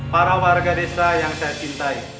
para warga desa yang saya cintai